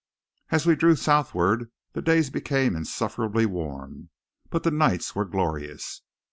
As we drew southward the days became insufferably warm, but the nights were glorious.